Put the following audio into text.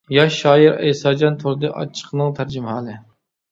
ياش شائىر ئەيساجان تۇردى ئاچچىقنىڭ تەرجىمىھالى.